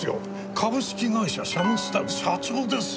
「株式会社シャムスタイル」社長ですよ！